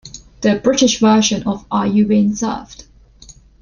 The British version of Are You Being Served?